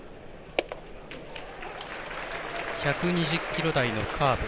１２０キロ台のカーブ。